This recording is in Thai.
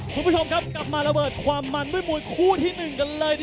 สวัสดีครับสวัสดีครับ